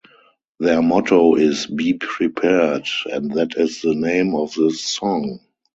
Their motto is "be prepared", and that is the name of this song.